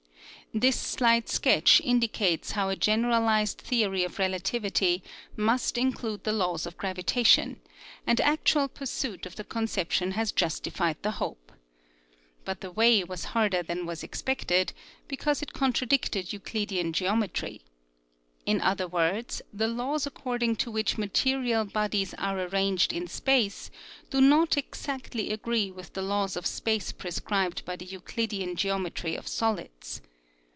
This slight sketch indicates how a general ized theory of relativity must include the laws of gravitation, and actual pursuit of the con ception has justified the hopa But the way was harder than was expected, because it con tradicted Euclidian geometry. In other words, the laws according to which material bodies are arranged in space do not exactly agree with the laws of space prescribed by the Euclidian geometry of solids.